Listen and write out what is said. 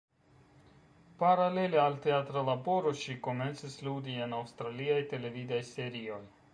Paralele al teatra laboro, ŝi komencis ludi en aŭstraliaj televidaj serioj.